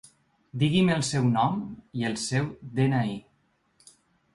Digui'm el seu nom i el seu de-ena-i.